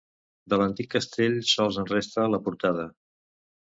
De l'antic castell sols en resta la portada.